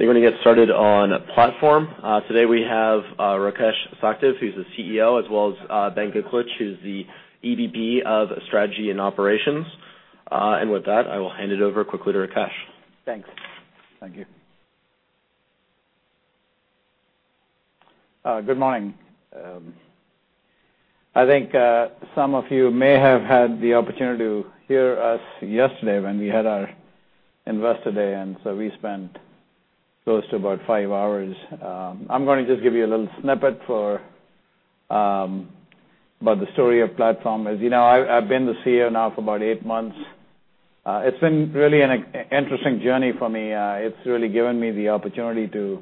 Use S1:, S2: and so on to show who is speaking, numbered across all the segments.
S1: I think we're going to get started on Platform. Today we have Rakesh Sachdev, who's the CEO, as well as Ben Gliklich, who's the EVP of Strategy and Operations. With that, I will hand it over quickly to Rakesh.
S2: Thanks.
S3: Thank you.
S2: Good morning. I think some of you may have had the opportunity to hear us yesterday when we had our Investor Day. We spent close to about five hours. I'm going to just give you a little snippet about the story of Platform. As you know, I've been the CEO now for about eight months. It's been really an interesting journey for me. It's really given me the opportunity to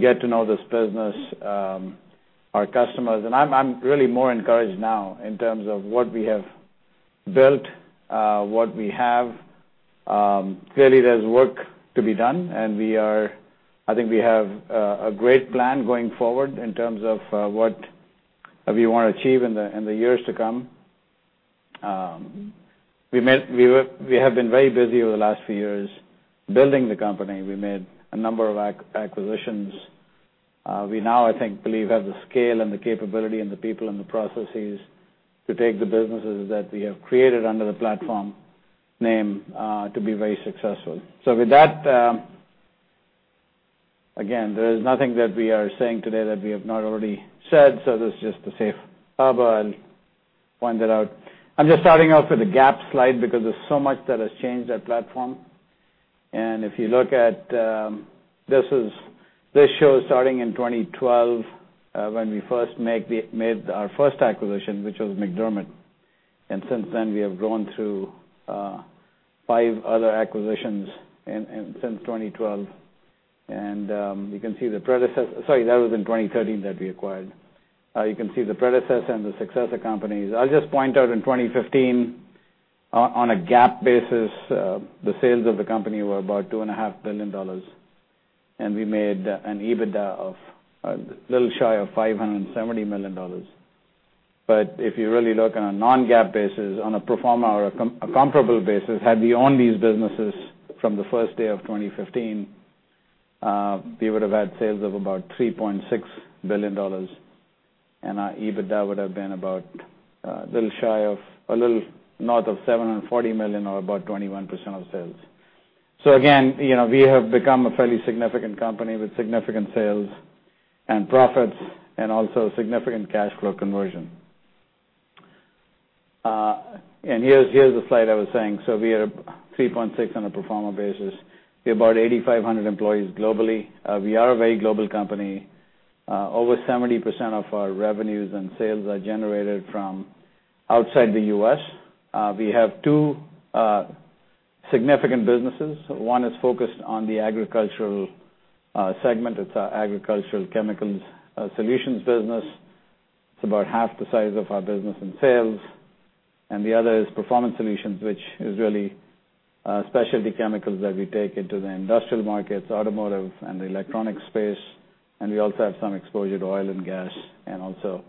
S2: get to know this business, our customers. I'm really more encouraged now in terms of what we have built, what we have. Clearly, there's work to be done, and I think we have a great plan going forward in terms of what we want to achieve in the years to come. We have been very busy over the last few years building the company. We made a number of acquisitions. We now, I think, believe have the scale and the capability and the people and the processes to take the businesses that we have created under the Platform name to be very successful. With that, again, there is nothing that we are saying today that we have not already said, so this is just to safe harbor. I'll point that out. I'm just starting off with a GAAP slide because there's so much that has changed at Platform. If you look at, this shows starting in 2012, when we made our first acquisition, which was MacDermid. Since then, we have gone through five other acquisitions since 2012. Sorry, that was in 2013 that we acquired. You can see the predecessor and the successor companies. I'll just point out in 2015, on a GAAP basis, the sales of the company were about $2.5 billion, and we made an EBITDA of a little shy of $570 million. But if you really look on a non-GAAP basis, on a pro forma or a comparable basis, had we owned these businesses from the first day of 2015, we would have had sales of about $3.6 billion, and our EBITDA would have been about a little north of $740 million or about 21% of sales. Again, we have become a fairly significant company with significant sales and profits and also significant cash flow conversion. Here's the slide I was saying. We are 3.6 on a pro forma basis. We have about 8,500 employees globally. We are a very global company. Over 70% of our revenues and sales are generated from outside the U.S. We have two significant businesses. One is focused on the agricultural segment. It's our agricultural chemicals solutions business. It's about half the size of our business in sales. The other is Performance Solutions, which is really specialty chemicals that we take into the industrial markets, automotive, and the electronic space. We also have some exposure to oil and gas and also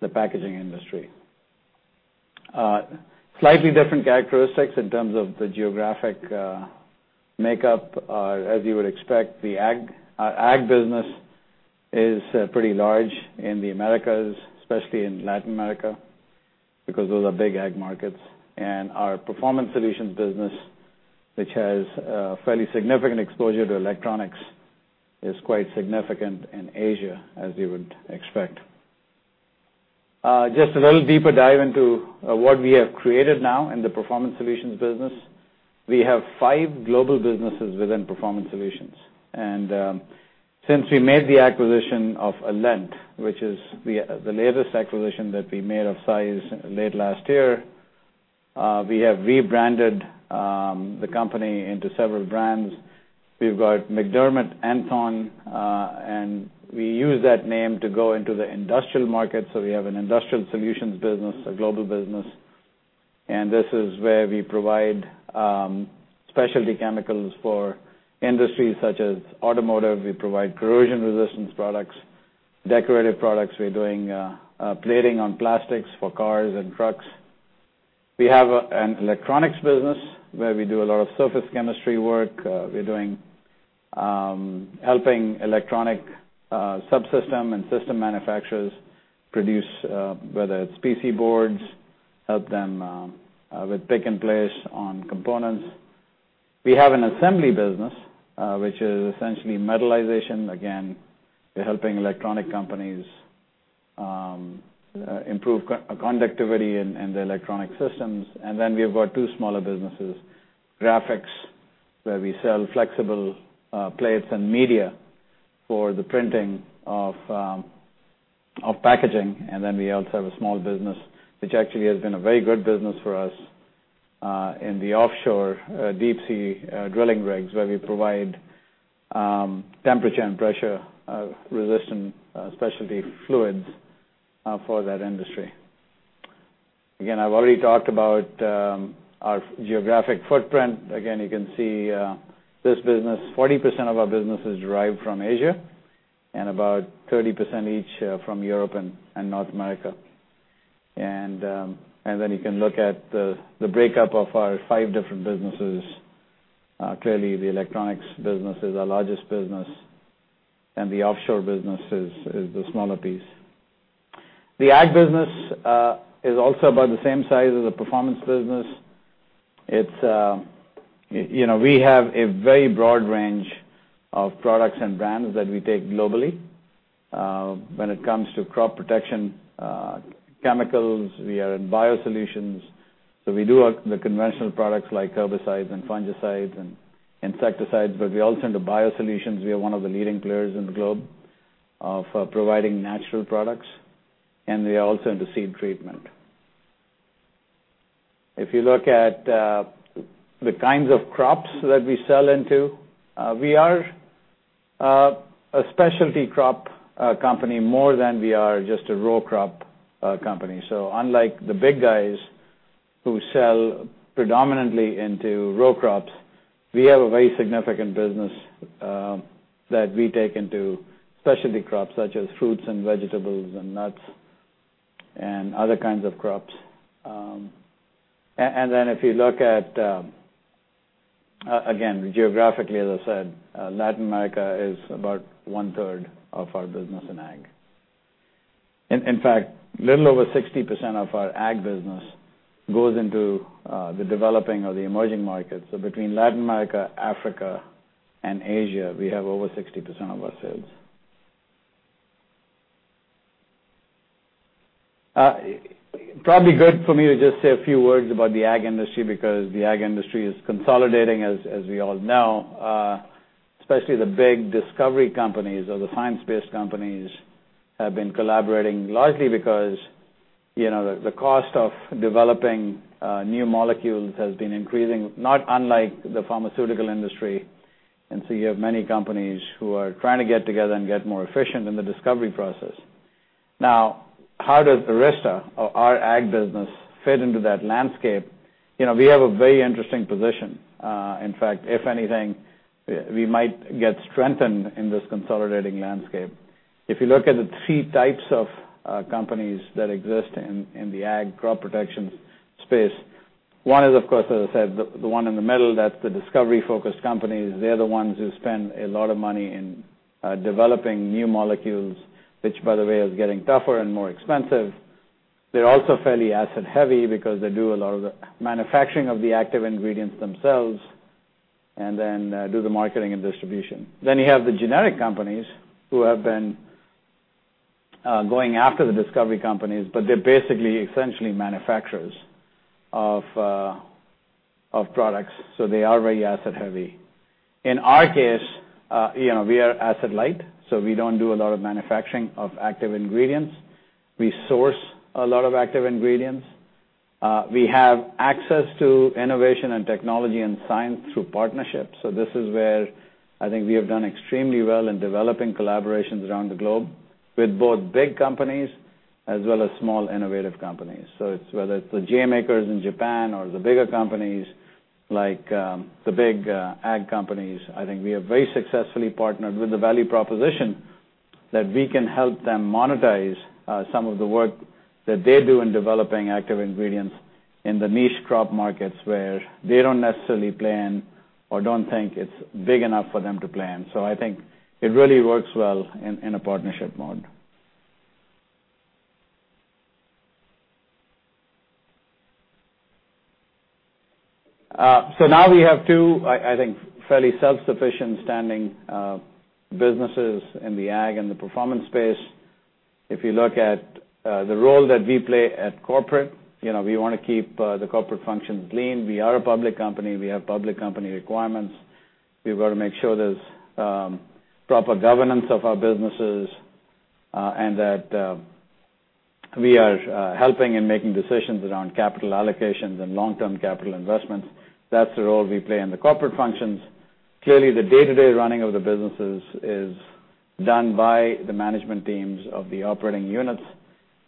S2: the packaging industry. Slightly different characteristics in terms of the geographic makeup. You would expect, the ag business is pretty large in the Americas, especially in Latin America, because those are big ag markets. Our Performance Solutions business, which has a fairly significant exposure to electronics, is quite significant in Asia, you would expect. Just a little deeper dive into what we have created now in the Performance Solutions business. We have five global businesses within Performance Solutions. Since we made the acquisition of Alent, which is the latest acquisition that we made of size late last year, we have rebranded the company into several brands. We've got MacDermid Enthone, and we use that name to go into the industrial market. So we have an Industrial Solutions business, a global business. This is where we provide specialty chemicals for industries such as automotive. We provide corrosion resistance products, decorative products. We're doing plating on plastics for cars and trucks. We have an Electronics business where we do a lot of surface chemistry work. We're helping electronic subsystem and system manufacturers produce, whether it's PC boards, help them with pick and place on components. We have an Assembly business, which is essentially metallization. We're helping electronic companies improve conductivity in the electronic systems. We've got two smaller businesses, Graphics, where we sell flexible plates and media for the printing of packaging. We also have a small business, which actually has been a very good business for us in the offshore deep sea drilling rigs, where we provide temperature and pressure resistant specialty fluids for that industry. I've already talked about our geographic footprint. You can see 40% of our business is derived from Asia. About 30% each from Europe and North America. You can look at the breakup of our five different businesses. Clearly, the Electronics business is our largest business, and the Offshore business is the smaller piece. The ag business is also about the same size as the Performance business. We have a very broad range of products and brands that we take globally. When it comes to crop protection chemicals, we are in biosolutions. We do the conventional products like herbicides and fungicides and insecticides, but we also enter biosolutions. We are one of the leading players in the globe for providing natural products, and we are also into seed treatment. If you look at the kinds of crops that we sell into, we are a specialty crop company more than we are just a raw crop company. Unlike the big guys who sell predominantly into raw crops, we have a very significant business that we take into specialty crops, such as fruits and vegetables and nuts and other kinds of crops. If you look at, again, geographically, as I said, Latin America is about one-third of our business in ag. In fact, little over 60% of our ag business goes into the developing or the emerging markets. Between Latin America, Africa, and Asia, we have over 60% of our sales. Probably good for me to just say a few words about the ag industry, because the ag industry is consolidating, as we all know. Especially the big discovery companies or the science-based companies have been collaborating largely because the cost of developing new molecules has been increasing, not unlike the pharmaceutical industry. You have many companies who are trying to get together and get more efficient in the discovery process. How does Arysta or our ag business fit into that landscape? We have a very interesting position. In fact, if anything, we might get strengthened in this consolidating landscape. If you look at the 3 types of companies that exist in the ag crop protection space, one is, of course, as I said, the one in the middle. That's the discovery-focused companies. They're the ones who spend a lot of money in developing new molecules, which, by the way, is getting tougher and more expensive. They're also fairly asset heavy because they do a lot of the manufacturing of the active ingredients themselves and then do the marketing and distribution. You have the generic companies who have been going after the discovery companies, but they're basically essentially manufacturers of products, they are very asset heavy. In our case, we are asset light, so we don't do a lot of manufacturing of active ingredients. We source a lot of active ingredients. We have access to innovation and technology and science through partnerships. This is where I think we have done extremely well in developing collaborations around the globe with both big companies as well as small, innovative companies. It's whether it's the GM makers in Japan or the bigger companies like the big ag companies, I think we have very successfully partnered with the value proposition that we can help them monetize some of the work that they do in developing active ingredients in the niche crop markets where they don't necessarily plan or don't think it's big enough for them to plan. I think it really works well in a partnership mode. Now we have two, I think, fairly self-sufficient standing businesses in the ag and the performance space. If you look at the role that we play at corporate, we want to keep the corporate functions lean. We are a public company. We have public company requirements. We've got to make sure there's proper governance of our businesses and that we are helping in making decisions around capital allocations and long-term capital investments. That's the role we play in the corporate functions. Clearly, the day-to-day running of the businesses is done by the management teams of the operating units.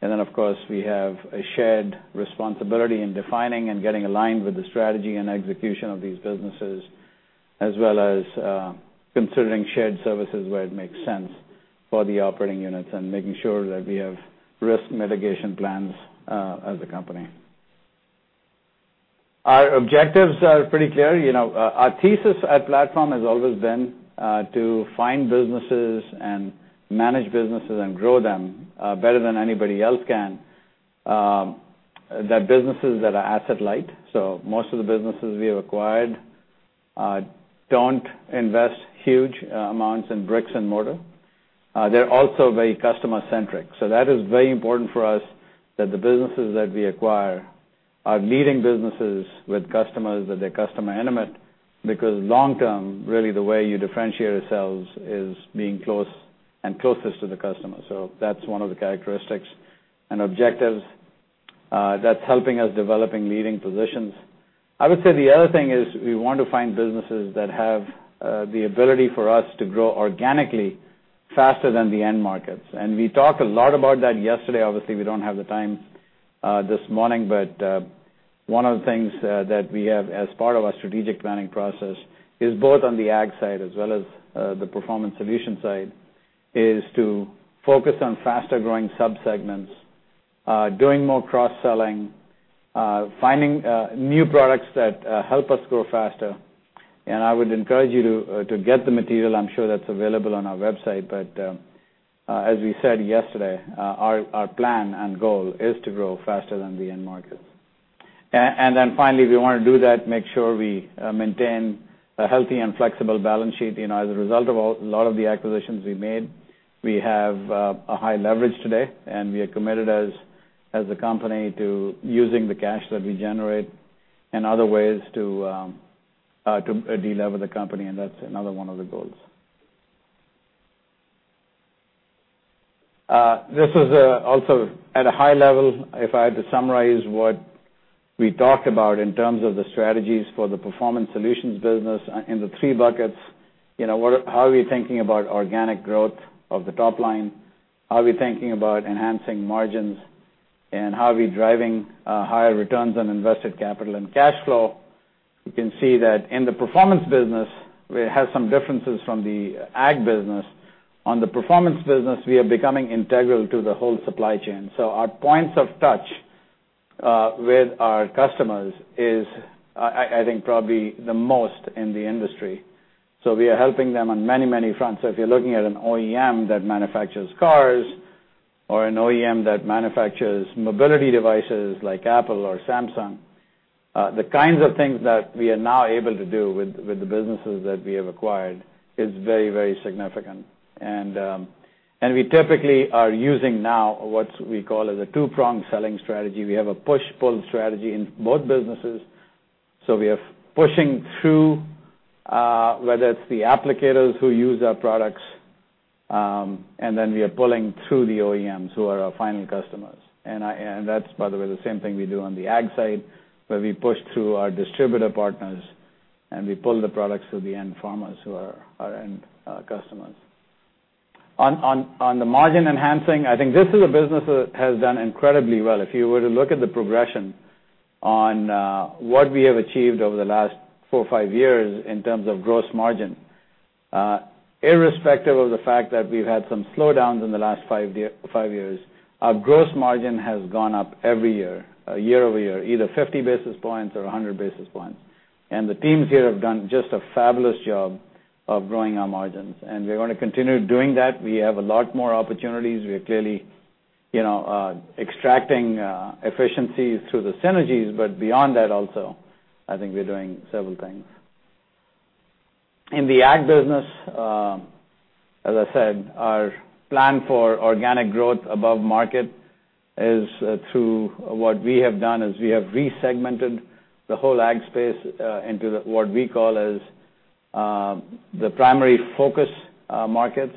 S2: Of course, we have a shared responsibility in defining and getting aligned with the strategy and execution of these businesses, as well as considering shared services where it makes sense for the operating units and making sure that we have risk mitigation plans as a company. Our objectives are pretty clear. Our thesis at Platform has always been to find businesses and manage businesses and grow them better than anybody else can, that businesses that are asset light. Most of the businesses we have acquired don't invest huge amounts in bricks and mortar. They're also very customer centric. That is very important for us, that the businesses that we acquire are leading businesses with customers, that they're customer intimate, because long term, really the way you differentiate yourselves is being close and closest to the customer. That's one of the characteristics and objectives that's helping us developing leading positions. I would say the other thing is we want to find businesses that have the ability for us to grow organically faster than the end markets. We talked a lot about that yesterday. Obviously, we don't have the time this morning, One of the things that we have as part of our strategic planning process is both on the ag side as well as the Performance Solutions side, is to focus on faster-growing subsegments, doing more cross-selling, finding new products that help us grow faster. I would encourage you to get the material. I'm sure that's available on our website. As we said yesterday our plan and goal is to grow faster than the end market. Finally, we want to do that, make sure we maintain a healthy and flexible balance sheet. As a result of a lot of the acquisitions we've made, we have a high leverage today, We are committed as a company to using the cash that we generate in other ways to de-lever the company. That's another one of the goals. This is also at a high level. If I had to summarize what we talked about in terms of the strategies for the Performance Solutions business in the three buckets, how are we thinking about organic growth of the top line? How are we thinking about enhancing margins? How are we driving higher returns on invested capital and cash flow? You can see that in the Performance business, we have some differences from the ag business. On the Performance business, we are becoming integral to the whole supply chain. Our points of touch with our customers is, I think, probably the most in the industry. We are helping them on many, many fronts. If you're looking at an OEM that manufactures cars or an OEM that manufactures mobility devices like Apple or Samsung, the kinds of things that we are now able to do with the businesses that we have acquired is very, very significant. We typically are using now what we call as a two-pronged selling strategy. We have a push-pull strategy in both businesses. We are pushing through, whether it's the applicators who use our products, We are pulling through the OEMs who are our final customers. That's, by the way, the same thing we do on the ag side, where we push through our distributor partners, and we pull the products to the end farmers who are our end customers. On the margin enhancing, I think this is a business that has done incredibly well. If you were to look at the progression on what we have achieved over the last four or five years in terms of gross margin, irrespective of the fact that we've had some slowdowns in the last five years, our gross margin has gone up every year over year, either 50 basis points or 100 basis points. The teams here have done just a fabulous job of growing our margins, and we're going to continue doing that. We have a lot more opportunities. We are clearly extracting efficiencies through the synergies. Beyond that, also, I think we're doing several things. In the ag business, as I said, our plan for organic growth above market is through what we have done is we have re-segmented the whole ag space, into what we call as the primary focus markets.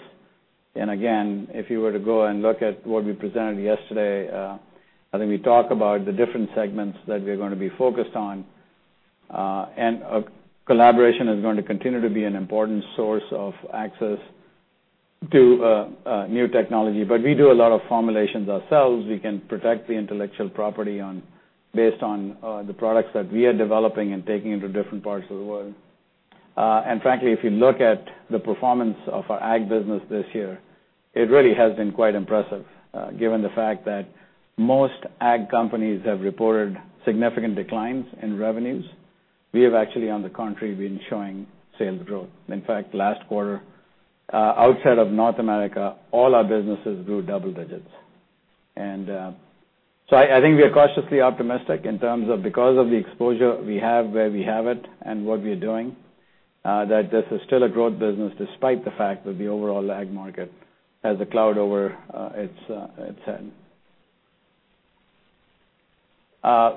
S2: Again, if you were to go and look at what we presented yesterday, I think we talk about the different segments that we're going to be focused on. Collaboration is going to continue to be an important source of access to new technology. But we do a lot of formulations ourselves. We can protect the intellectual property based on the products that we are developing and taking into different parts of the world. Frankly, if you look at the performance of our ag business this year, it really has been quite impressive. Given the fact that most ag companies have reported significant declines in revenues, we have actually, on the contrary, been showing sales growth. In fact, last quarter, outside of North America, all our businesses grew double digits. I think we are cautiously optimistic in terms of because of the exposure we have where we have it and what we're doing, that this is still a growth business despite the fact that the overall ag market has a cloud over its head.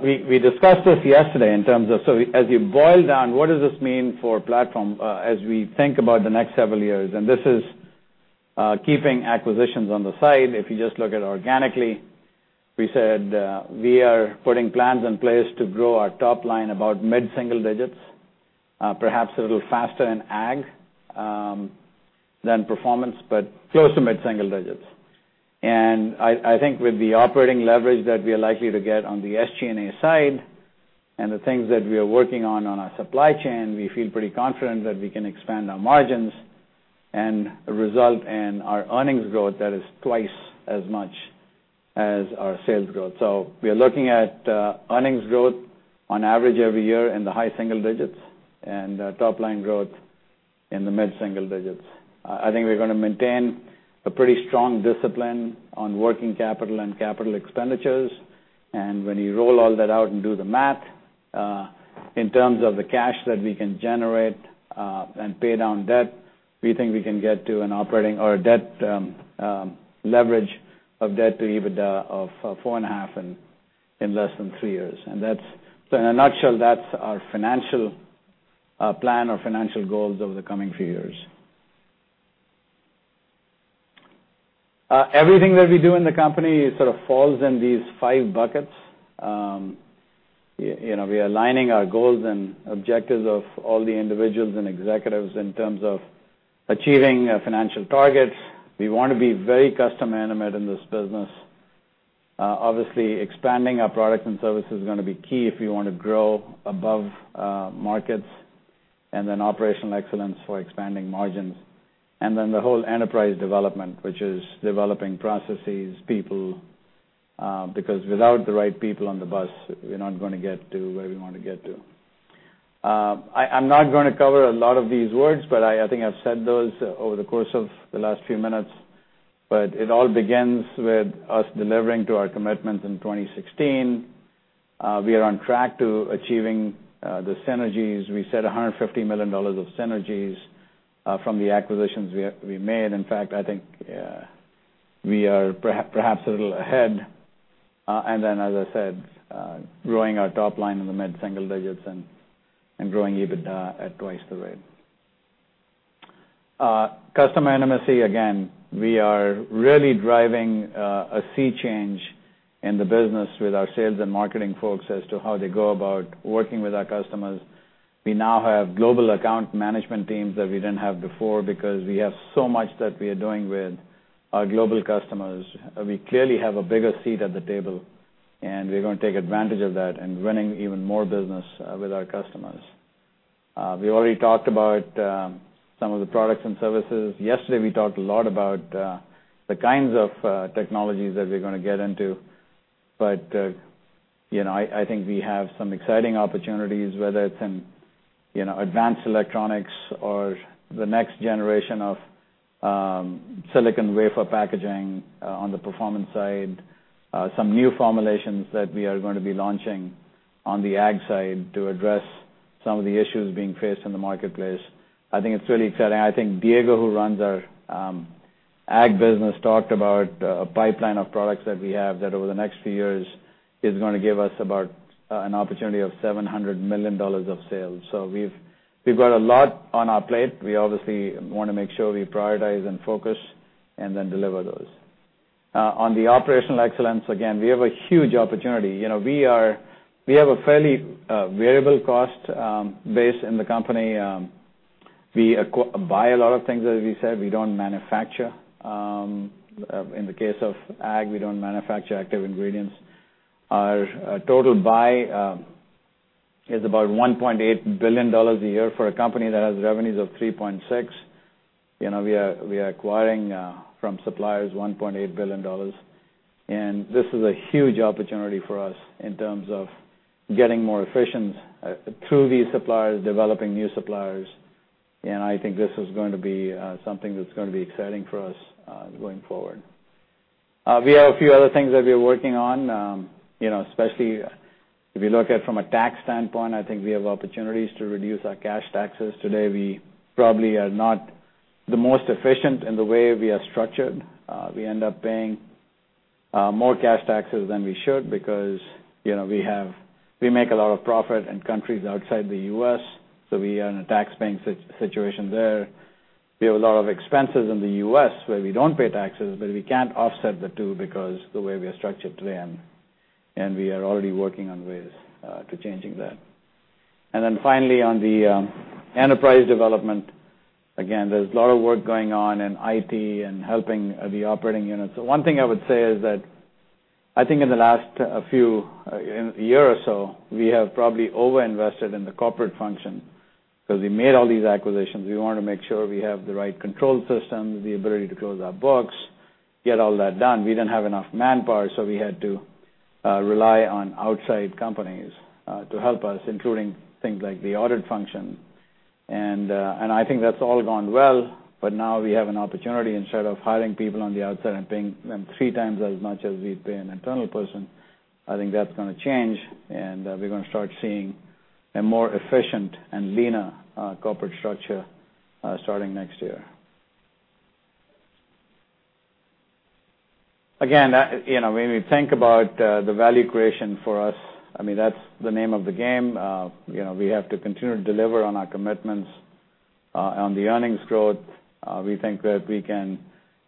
S2: We discussed this yesterday in terms of, so as you boil down, what does this mean for Platform as we think about the next several years? This is keeping acquisitions on the side. If you just look at organically, we said we are putting plans in place to grow our top line about mid-single digits, perhaps a little faster in ag than performance, but close to mid-single digits. I think with the operating leverage that we are likely to get on the SG&A side and the things that we are working on our supply chain, we feel pretty confident that we can expand our margins and result in our earnings growth that is twice as much as our sales growth. We are looking at earnings growth on average every year in the high single digits and top-line growth in the mid-single digits. I think we're going to maintain a pretty strong discipline on working capital and capital expenditures. When you roll all that out and do the math, in terms of the cash that we can generate, and pay down debt, we think we can get to an operating or a leverage of debt to EBITDA of four and a half in less than 3 years. In a nutshell, that's our financial plan or financial goals over the coming few years. Everything that we do in the company sort of falls in these five buckets. We are aligning our goals and objectives of all the individuals and executives in terms of achieving financial targets. We want to be very customer-intimate in this business. Obviously, expanding our products and services is going to be key if we want to grow above markets, operational excellence for expanding margins. The whole enterprise development, which is developing processes, people, because without the right people on the bus, we're not going to get to where we want to get to. I'm not going to cover a lot of these words, but I think I've said those over the course of the last few minutes. It all begins with us delivering to our commitments in 2016. We are on track to achieving the synergies. We said $150 million of synergies from the acquisitions we made. In fact, I think we are perhaps a little ahead. As I said, growing our top line in the mid-single digits and growing EBITDA at twice the rate. Customer intimacy, again, we are really driving a sea change in the business with our sales and marketing folks as to how they go about working with our customers. We now have global account management teams that we didn't have before, because we have so much that we are doing with our global customers. We clearly have a bigger seat at the table, we're going to take advantage of that and winning even more business with our customers. We already talked about some of the products and services. Yesterday, we talked a lot about the kinds of technologies that we're going to get into. I think we have some exciting opportunities, whether it's in advanced electronics or the next generation of silicon wafer packaging on the performance side, some new formulations that we are going to be launching on the ag side to address some of the issues being faced in the marketplace. I think it's really exciting. I think Diego, who runs our ag business, talked about a pipeline of products that we have that over the next few years is going to give us about an opportunity of $700 million of sales. We've got a lot on our plate. We obviously want to make sure we prioritize and focus deliver those. On the operational excellence, again, we have a huge opportunity. We have a fairly variable cost base in the company. We buy a lot of things that we sell. We don't manufacture. In the case of ag, we don't manufacture active ingredients. Our total buy is about $1.8 billion a year for a company that has revenues of $3.6. We are acquiring from suppliers $1.8 billion. This is a huge opportunity for us in terms of getting more efficient through these suppliers, developing new suppliers. I think this is going to be something that's going to be exciting for us going forward. We have a few other things that we're working on, especially if you look at from a tax standpoint, I think we have opportunities to reduce our cash taxes. Today, we probably are not the most efficient in the way we are structured. We end up paying more cash taxes than we should because we make a lot of profit in countries outside the U.S., so we are in a tax paying situation there. We have a lot of expenses in the U.S. where we don't pay taxes, but we can't offset the two because the way we are structured today. We are already working on ways to changing that. Finally, on the enterprise development, again, there's a lot of work going on in IT and helping the operating units. One thing I would say is that I think in the last year or so, we have probably over-invested in the corporate function because we made all these acquisitions. We want to make sure we have the right control systems, the ability to close our books, get all that done. We didn't have enough manpower, so we had to rely on outside companies to help us, including things like the audit function. I think that's all gone well, but now we have an opportunity. Instead of hiring people on the outside and paying them three times as much as we pay an internal person, I think that's going to change, and we're going to start seeing a more efficient and leaner corporate structure starting next year. Again, when we think about the value creation for us, I mean, that's the name of the game. We have to continue to deliver on our commitments on the earnings growth. We think that we can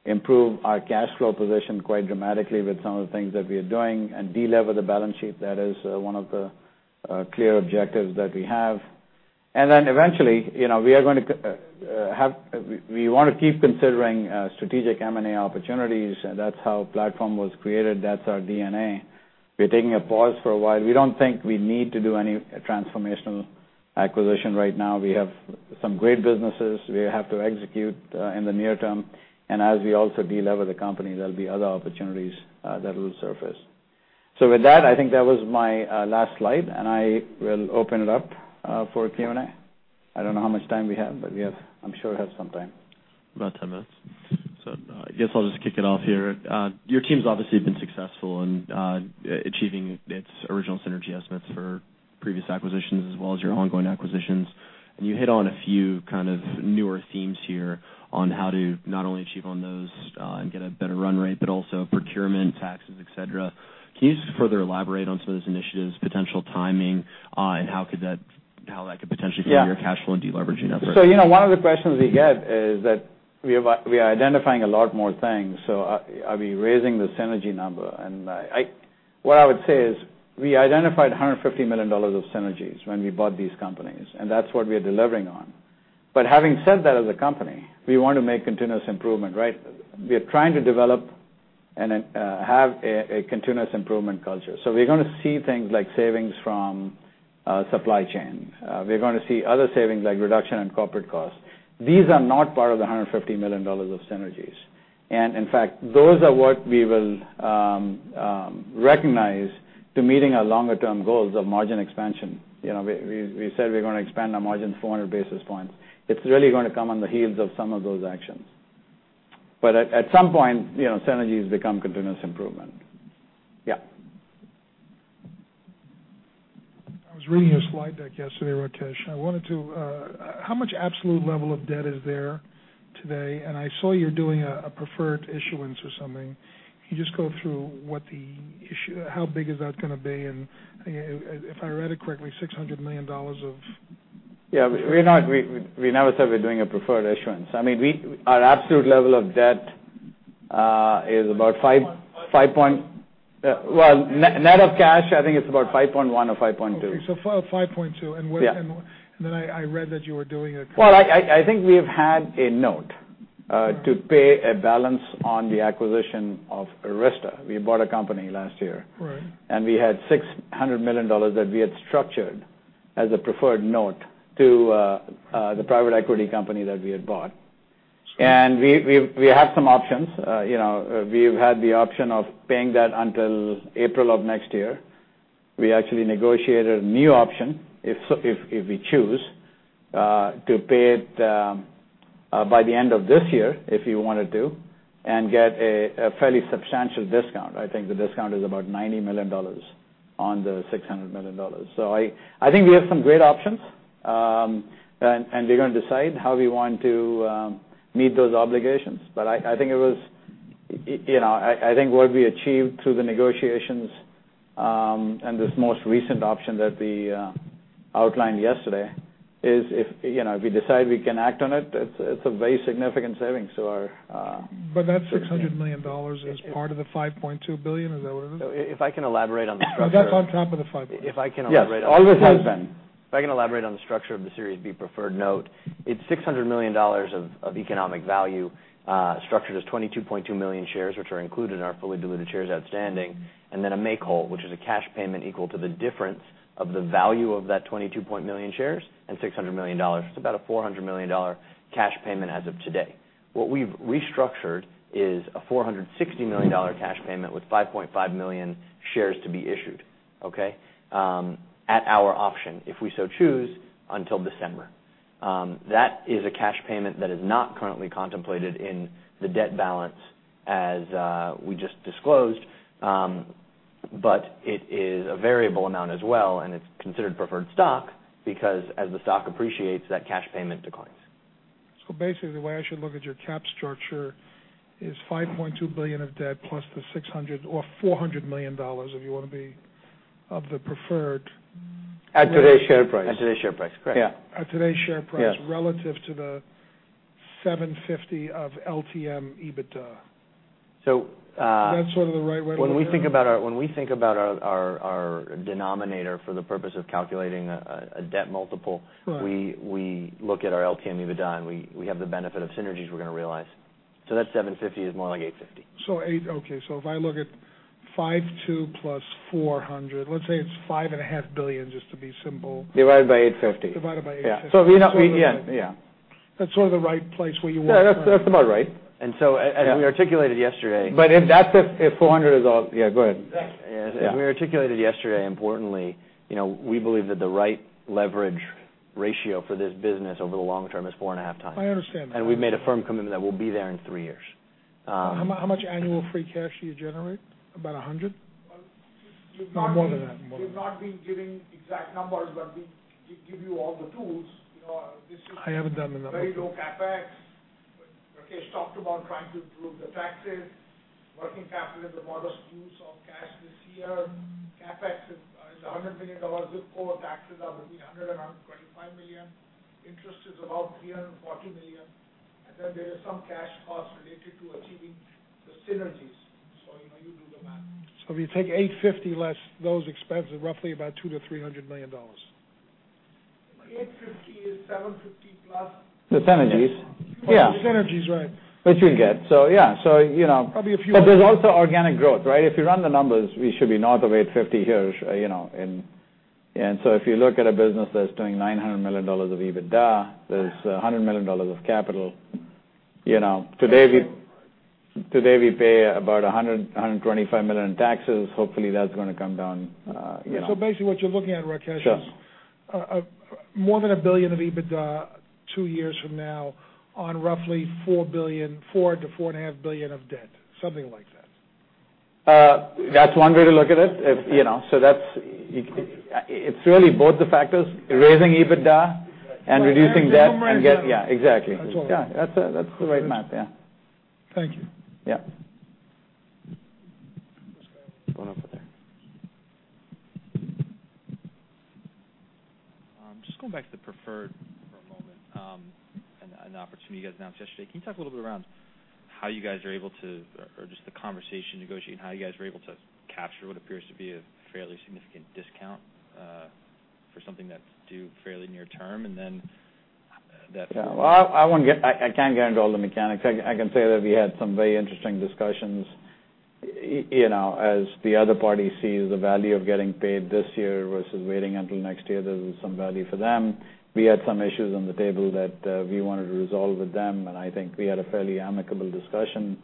S2: improve our cash flow position quite dramatically with some of the things that we are doing and de-lever the balance sheet. That is one of the clear objectives that we have. Eventually, we want to keep considering strategic M&A opportunities. That's how Platform was created. That's our DNA. We're taking a pause for a while. We don't think we need to do any transformational acquisition right now. We have some great businesses we have to execute in the near term. As we also de-lever the company, there'll be other opportunities that will surface. With that, I think that was my last slide, and I will open it up for Q&A. I don't know how much time we have, but I'm sure have some time.
S4: About 10 minutes. I guess I'll just kick it off here. Your team's obviously been successful in achieving its original synergy estimates for previous acquisitions as well as your ongoing acquisitions. You hit on a few kind of newer themes here on how to not only achieve on those and get a better run rate, but also procurement, taxes, et cetera. Can you just further elaborate on some of those initiatives, potential timing, and how that could potentially fit into your cash flow and de-leveraging effort?
S2: One of the questions we get is we are identifying a lot more things, so are we raising the synergy number? What I would say is we identified $150 million of synergies when we bought these companies, and that's what we are delivering on. Having said that, as a company, we want to make continuous improvement, right? We are trying to develop and have a continuous improvement culture. We're going to see things like savings from supply chain. We're going to see other savings, like reduction in corporate costs. These are not part of the $150 million of synergies. In fact, those are what we will recognize to meeting our longer-term goals of margin expansion. We said we're going to expand our margin 400 basis points. It's really going to come on the heels of some of those actions. At some point, synergies become continuous improvement. Yeah.
S5: I was reading your slide deck yesterday, Rakesh. How much absolute level of debt is there today? I saw you're doing a preferred issuance or something. Can you just go through how big is that going to be? If I read it correctly, $600 million.
S2: Yeah. We never said we're doing a preferred issuance. I mean, our absolute level of debt is about, well, net of cash, I think it's about $5.1 or $5.2.
S5: Okay. $5.2.
S2: Yeah.
S5: I read that you were doing a.
S2: Well, I think we've had a note to pay a balance on the acquisition of Arysta. We bought a company last year.
S5: Right.
S2: We had $600 million that we had structured as a preferred note to the private equity company that we had bought.
S5: Sure.
S2: We have some options. We've had the option of paying that until April of next year. We actually negotiated a new option, if we choose, to pay it by the end of this year if we wanted to, and get a fairly substantial discount. I think the discount is about $90 million on the $600 million. I think we have some great options, and we're going to decide how we want to meet those obligations. I think what we achieved through the negotiations, and this most recent option that we outlined yesterday is if we decide we can act on it's a very significant saving to our.
S5: That $600 million is part of the $5.2 billion, is that what it is?
S3: If I can elaborate on the structure.
S5: That's on top of the $5.2.
S2: All this has been.
S3: If I can elaborate on the structure of the Series B preferred note, it's $600 million of economic value structured as 22.2 million shares, which are included in our fully diluted shares outstanding, and then a make whole, which is a cash payment equal to the difference of the value of that 22.2 million shares and $600 million. It's about a $400 million cash payment as of today. What we've restructured is a $460 million cash payment with 5.5 million shares to be issued, okay? At our option, if we so choose, until December. That is a cash payment that is not currently contemplated in the debt balance as we just disclosed. It is a variable amount as well, and it's considered preferred stock because as the stock appreciates, that cash payment declines.
S5: Basically, the way I should look at your cap structure is $5.2 billion of debt plus the $600 million or $400 million, if you want to be, of the preferred.
S2: At today's share price.
S3: At today's share price, correct.
S2: Yeah.
S5: At today's share price.
S2: Yeah
S5: relative to the $750 of LTM EBITDA.
S3: So-
S5: Is that sort of the right way to look at it?
S3: When we think about our denominator for the purpose of calculating a debt multiple-
S5: Right
S3: We look at our LTM EBITDA, and we have the benefit of synergies we're going to realize. That $750 is more like $850.
S5: Okay. If I look at $5.2 plus $400, let's say it's $5.5 billion, just to be simple.
S2: Divided by $850.
S5: Divided by $850.
S2: Yeah.
S5: That's sort of the right place where you want-
S2: Yeah, that's about right.
S3: As we articulated yesterday.
S2: If 400 is all. Yeah, go ahead.
S3: As we articulated yesterday, importantly, we believe that the right leverage ratio for this business over the long term is four and a half times.
S5: I understand that.
S3: We've made a firm commitment that we'll be there in three years.
S5: How much annual free cash do you generate? About $100? More than that?
S3: We've not been giving exact numbers, but we give you all the tools.
S5: I haven't done the numbers.
S3: Very low CapEx. Rakesh talked about trying to improve the taxes, working capital is a modest use of cash this year. CapEx is $100 million before taxes of between $100 million and $125 million. Interest is about $340 million. Then there is some cash costs related to achieving the synergies. You do the math.
S5: If you take $850, less those expenses, roughly about $200 million-$300 million.
S3: $850 is $750 plus.
S2: The synergies.
S5: The synergies, right.
S2: Which we get. Yeah.
S5: Probably a few.
S2: There's also organic growth, right? If you run the numbers, we should be north of 850 here. If you look at a business that's doing $900 million of EBITDA, there's $100 million of capital. Today we pay about $100 million-$125 million in taxes. Hopefully, that's going to come down.
S5: Basically, what you're looking at, Rakesh.
S2: Sure
S5: is more than $1 billion of EBITDA two years from now on roughly $4 billion-$4.5 billion of debt, something like that.
S2: That's one way to look at it. It's really both the factors, raising EBITDA and reducing debt. Yeah, exactly.
S5: That's all.
S2: Yeah. That's the right math, yeah.
S5: Thank you.
S2: Yeah.
S5: Just going back to the preferred for a moment, and the opportunity you guys announced yesterday. Can you talk a little bit around how you guys are able to, or just the conversation negotiating, how you guys were able to capture what appears to be a fairly significant discount for something that's due fairly near term?
S2: Well, I can't get into all the mechanics. I can say that we had some very interesting discussions. As the other party sees the value of getting paid this year versus waiting until next year, there's some value for them. We had some issues on the table that we wanted to resolve with them, and I think we had a fairly amicable discussion,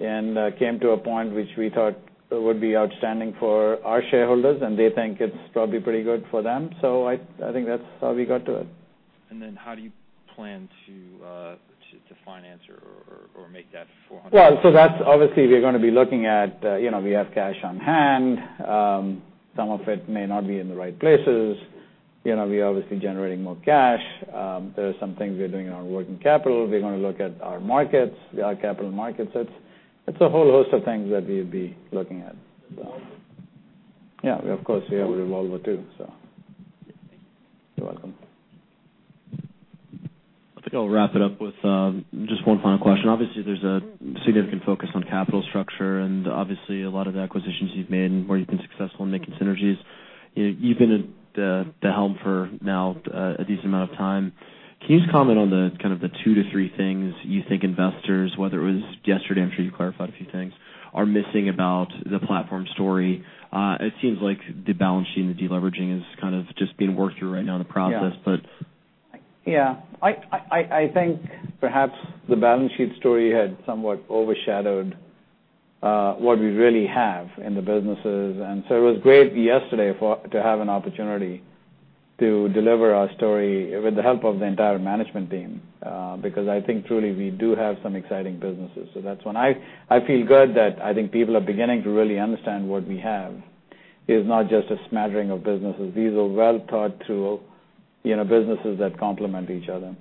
S2: and came to a point which we thought would be outstanding for our shareholders, and they think it's probably pretty good for them. I think that's how we got to it.
S5: How do you plan to finance or make that $400?
S2: That's obviously we have cash on hand. Some of it may not be in the right places. We're obviously generating more cash. There are some things we are doing in our working capital. We're going to look at our markets, our capital markets. It's a whole host of things that we'll be looking at. Yeah. Of course, we have revolver too.
S5: Thank you.
S2: You're welcome.
S4: I think I'll wrap it up with just one final question. Obviously, there's a significant focus on capital structure, and obviously a lot of the acquisitions you've made and where you've been successful in making synergies. You've been at the helm for now a decent amount of time. Can you just comment on the kind of the two to three things you think investors, whether it was yesterday, I'm sure you clarified a few things, are missing about the Platform story? It seems like the balance sheet and the de-leveraging is kind of just being worked through right now in the process.
S2: Yeah. I think perhaps the balance sheet story had somewhat overshadowed what we really have in the businesses. It was great yesterday to have an opportunity to deliver our story with the help of the entire management team, because I think truly we do have some exciting businesses. That's when I feel good that I think people are beginning to really understand what we have. It is not just a smattering of businesses. These are well thought through businesses that complement each other.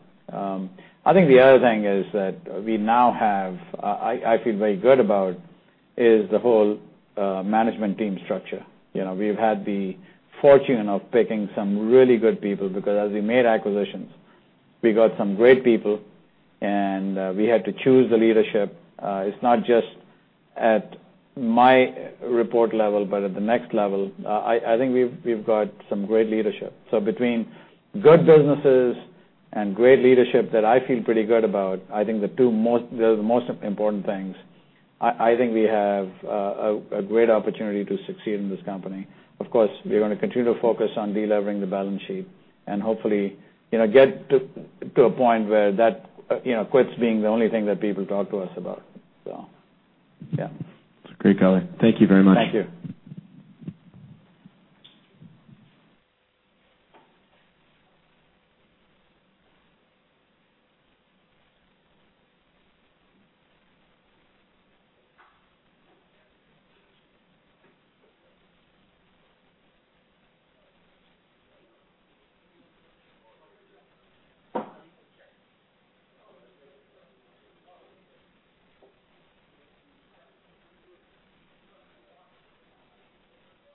S2: I think the other thing is that we now have, I feel very good about, is the whole management team structure. We've had the fortune of picking some really good people because as we made acquisitions, we got some great people, and we had to choose the leadership. It's not just at my report level, but at the next level. I think we've got some great leadership. Between good businesses and great leadership that I feel pretty good about, I think they're the most important things. I think we have a great opportunity to succeed in this company. Of course, we're going to continue to focus on de-levering the balance sheet, and hopefully, get to a point where that quits being the only thing that people talk to us about. Yeah.
S4: It's a great color. Thank you very much.
S2: Thank you.